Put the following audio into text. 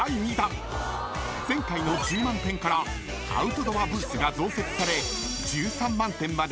［前回の１０万点からアウトドアブースが増設され］